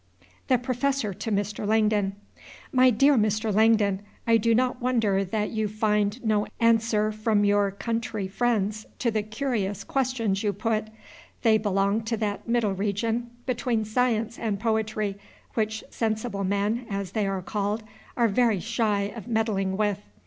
The Professor to Mr. Langdon. MY DEAR MR. LANGDON, I do not wonder that you find no answer from your country friends to the curious questions you put. They belong to that middle region between science and poetry which sensible men, as they are called, are very shy of meddling with.